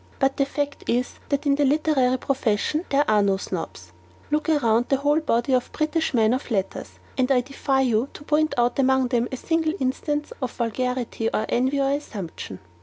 But the fact is, that in the literary profession THERE ARE NO SNOBS. Look round at the whole body of British men of letters; and I defy you to point out among them a single instance of vulgarity, or envy, or assumption.